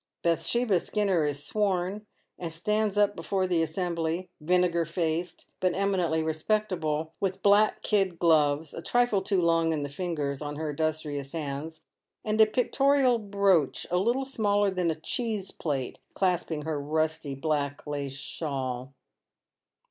Bathsheba Skinner is sworn, and stands up before the assembly, vinegar faced, but eminently respectable, with black kid gloves, a trifle too long in the fingers, on her industrious hands, and a pictorial brooch a little smaller than a cheese plate clasping her rusty black lace shawl.